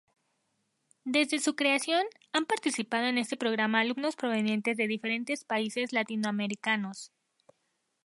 Desde su creación, han participado en este programa alumnos provenientes de diferentes países latinoamericanos.